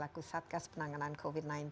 laku satgas penanganan covid sembilan belas